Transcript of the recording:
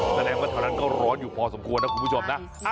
แสดงว่าแถวนั้นก็ร้อนอยู่พอสมควรนะคุณผู้ชมนะ